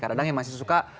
kadang kadang yang masih suka